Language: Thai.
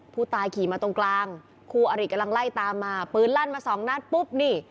ผู้ตายขี่มาตรงกลางคู่อริกำลังไล่ตามมาปืนลั่นมาสองนัดปุ๊บนี่